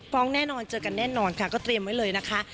แน่นอนเจอกันแน่นอนค่ะก็เตรียมไว้เลยนะคะ